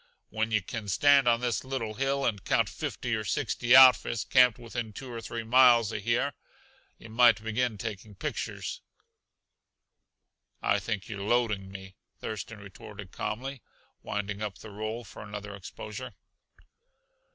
"When yuh can stand on this little hill and count fifty or sixty outfits camped within two or three miles uh here, yuh might begin taking pictures." "I think you're loading me," Thurston retorted calmly, winding up the roll for another exposure.